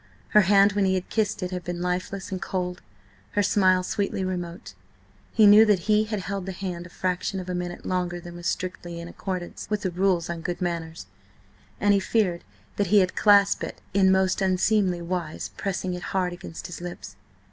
Her hand when he had kissed it had been lifeless and cold, her smile sweetly remote. He knew that he had held the hand a fraction of a minute longer than was strictly in accordance with the rules on good manners, and he feared that he had clasped it in most unseemly wise, pressing it hard against his lips.